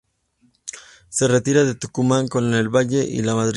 Se retiró a Tucumán con Lavalle y Lamadrid.